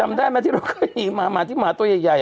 จำได้ไหมที่เราเคยมีหมาที่หมาตัวใหญ่